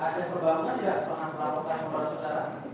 asisten pembangunan tidak pengantar pengantar yang berasal dari